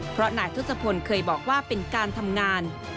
เพราะนายทศพลเคยบอกว่าเป็นการทำงาน